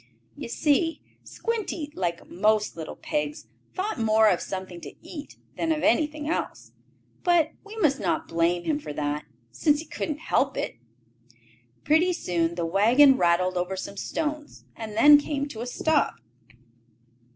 You see Squinty, like most little pigs, thought more of something to eat than of anything else. But we must not blame him for that, since he could not help it. Pretty soon the wagon rattled over some stones, and then came to a stop.